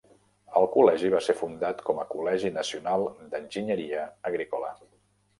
El col·legi va ser fundat com a Col·legi Nacional d'Enginyeria Agrícola.